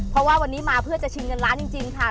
เพราะว่าวันนี้มาเพื่อจะชิงเงินล้านจริงค่ะ